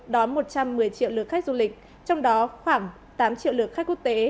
đón một trăm một mươi triệu lượt khách du lịch trong đó khoảng tám triệu lượt khách quốc tế